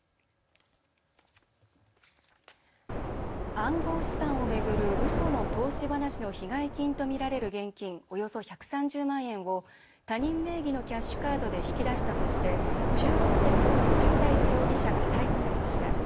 暗号資産を巡るうその投資話の被害金と見られる現金およそ１３０万円を他人名義のキャッシュカードで引き出したとして中国籍の５０代の容疑者が逮捕されました。